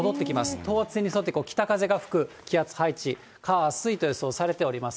等圧線に沿って北風が吹く気圧配置、火、水と予想されています。